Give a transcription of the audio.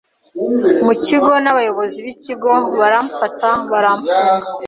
mu kigo n’abayobozi b’ikigo baramfata baramfunga.